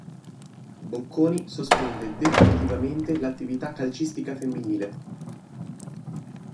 Bocconi sospende definitivamente l'attività calcistica femminile.